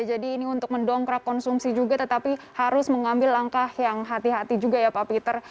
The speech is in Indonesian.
jadi ini untuk mendongkrak konsumsi juga tetapi harus mengambil langkah yang hati hati juga ya pak peter